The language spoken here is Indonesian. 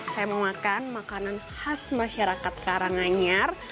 saya mau makan makanan khas masyarakat karanganyar